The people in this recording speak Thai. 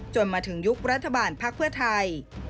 จนมาถึงยุครัฐบาลภักดิ์เพื่อไทย